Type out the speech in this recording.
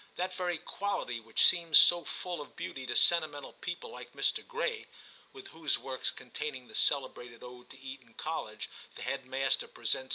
That very quality which seems so full of beauty to sentimental people like Mr. Gray (with whose works, containing the celebrated ode to Eton College, the head master presents H 98 TIM CHAP.